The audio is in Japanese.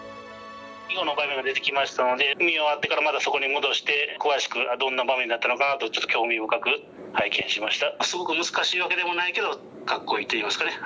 囲碁の場面が出てきましたので見終わってからまたそこに戻して詳しくどんな場面だったのかとちょっと興味深く拝見しました。